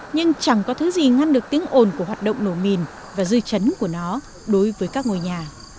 nhưng chẳng có thứ gì ngăn được tiếng ồn của hoạt động nổ mìn và dư chấn của nó đối với các ngôi nhà